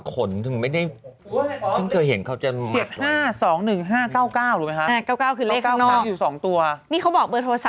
ใครได้รับบัตรเจ็บก็โอเคอยู่